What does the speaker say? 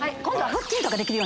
今度は。